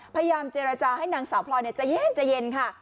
พยายามเจรจาให้นางสาวพลอยใจเย็นค่ะ